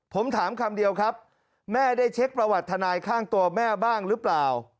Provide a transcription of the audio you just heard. ผมถามคำเดียวครับแม่ได้เช็คประวัติทนายข้างตัวแม่บ้างหรือเปล่า